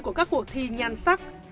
của các cuộc thi nhan sắc